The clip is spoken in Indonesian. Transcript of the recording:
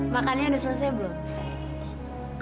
makannya udah selesai belum